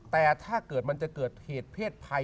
แต่ถ้าเกิดมันจะเกิดเหตุเพศภัย